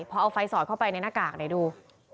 เพราะเอาไฟสอดเข้าไปในหน้ากากไหนดู